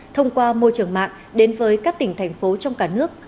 thông qua môi trường mạng đến với các tỉnh thành phố trong cả nước